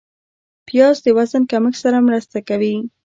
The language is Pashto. پیاز د وزن کمښت سره مرسته کوي